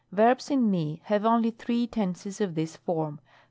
Verbs in fit have only three tenses of this form.